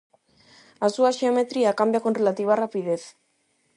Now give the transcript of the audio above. A súa xeometría cambia con relativa rapidez.